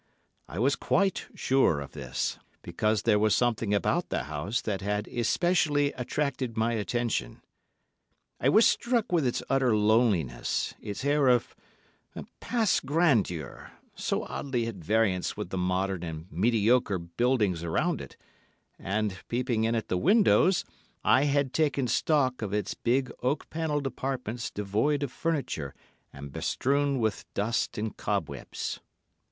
I was quite sure of this, because there was something about the house that had especially attracted my attention. I was struck with its utter loneliness, its air of past grandeur—so oddly at variance with the modern and mediocre buildings around it—and, peeping in at the windows, I had taken stock of its big oak panelled apartments devoid of furniture and bestrewn with dust and cobwebs.